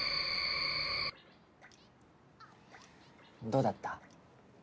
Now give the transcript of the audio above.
どうだった？